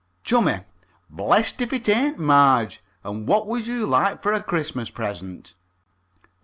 CHUMMIE: Blessed if it ain't Marge! And what would you like for a Christmas present?